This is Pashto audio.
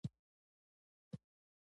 متلونه د ولسي ادبياتو خورا .